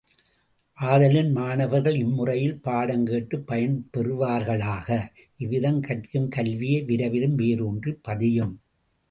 ஆதலின் மாணவர்கள் இம்முறையில் பாடங்கேட்டுப் பயன் பெறுவார்களாக, இவ்விதம் கற்கும் கல்வியே விரைவிலும் வேரூன்றிப் பதியும்.